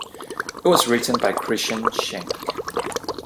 It was written by Christian Schenk.